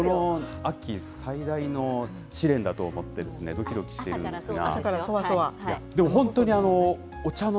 この秋、最大の試練だと思って、どきどきしてるんですが。